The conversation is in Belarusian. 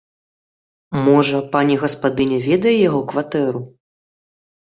Можа, пані гаспадыня ведае яго кватэру?